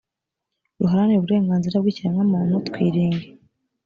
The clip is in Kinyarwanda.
ruharanira uburenganzira bw ikiremwamuntu twiringi